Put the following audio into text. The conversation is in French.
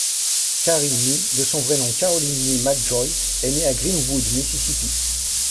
Carrie Nye de son vrai nom Caroline Nye McGeoy est née à Greenwood, Mississippi.